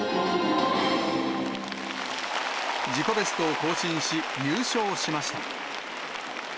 自己ベストを更新し、優勝しました。